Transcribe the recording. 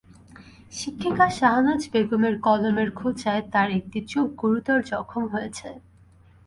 শিক্ষিকা শাহনাজ বেগমের কলমের খোঁচায় তার একটি চোখ গুরুতর জখম হয়েছে।